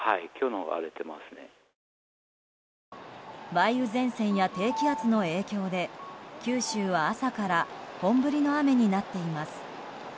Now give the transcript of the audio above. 梅雨前線や低気圧の影響で九州は朝から本降りの雨になっています。